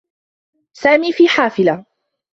سامي في حافلة.